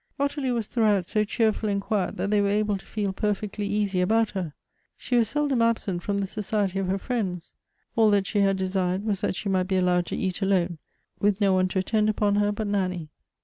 Ottilie was throughout so cheerful and quiet that they were able to feel perfectly easy about her ; she was sel dom absent from the society of her friends ; all that she had desired was that she might be allowed to eat alone, with no one to attend upon her but Nanny.